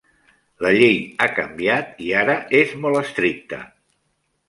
La Llei ha canviat i ara és molt estricta.